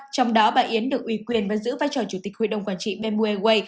trong đó bà yến được ủy quyền và giữ vai trò chủ tịch huy đồng quản trị bmw